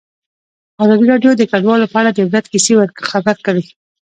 ازادي راډیو د کډوال په اړه د عبرت کیسې خبر کړي.